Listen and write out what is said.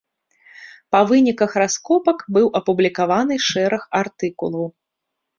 Па выніках раскопак быў апублікаваны шэраг артыкулаў.